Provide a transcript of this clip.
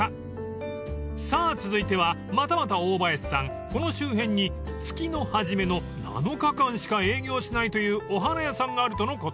［さぁ続いてはまたまた大林さんこの周辺に月の初めの７日間しか営業しないというお花屋さんがあるとのこと］